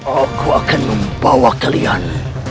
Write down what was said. aku akan membawa kalian